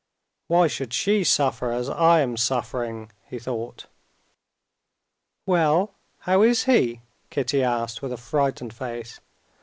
"Why should she suffer as I am suffering?" he thought. "Well, how is he?" Kitty asked with a frightened face.